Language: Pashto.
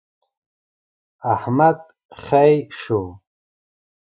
احمد خې شو.